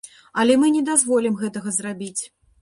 Але мы не дазволім гэтага зрабіць.